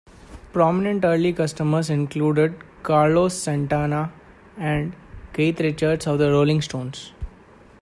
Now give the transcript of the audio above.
Prominent early customers included Carlos Santana, and Keith Richards of The Rolling Stones.